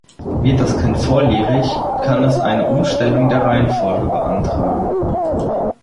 Wird das Kind volljährig, kann es eine Umstellung der Reihenfolge beantragen.